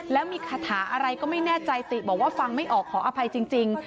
แล้วมีคาถาอะไรก็ไม่แน่ใจติบอกว่าฟังไม่ออกขออภัยจริง